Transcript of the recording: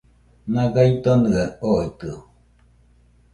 Naga idonɨaɨ oitɨo